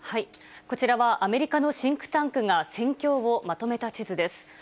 こちらは、アメリカのシンクタンクが戦況をまとめた地図です。